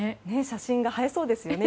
写真が映えそうですね。